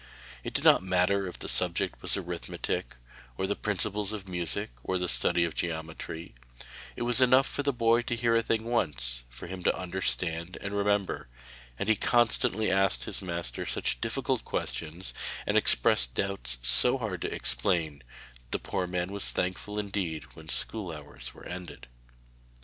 It did not matter if the subject was arithmetic, or the principles of music, or the study of geometry; it was enough for the boy to hear a thing once for him to understand and remember, and he constantly asked his master such difficult questions and expressed doubts so hard to explain, that the poor man was thankful indeed when school hours were ended.